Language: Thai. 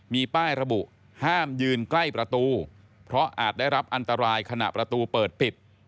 มีป้ายระบุห้ามยืนใกล้ประตูเพราะอาจได้รับอันตรายขณะประตูเปิดปิด